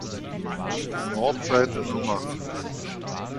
Nordseite Nr.